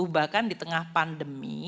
dua ribu dua puluh bahkan di tengah pandemi